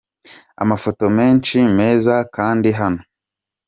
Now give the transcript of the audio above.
Amafoto menshi meza kanda hano :.